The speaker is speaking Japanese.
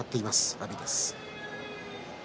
阿炎です。